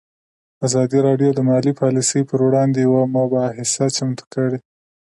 ازادي راډیو د مالي پالیسي پر وړاندې یوه مباحثه چمتو کړې.